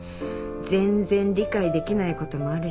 全然理解できないこともあるしさ。